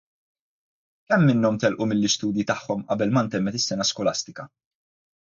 Kemm minnhom telqu mill-istudji tagħhom qabel ma ntemmet is-sena skolastika?